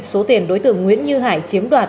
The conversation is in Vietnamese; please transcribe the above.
số tiền đối tượng nguyễn như hải chiếm đoạt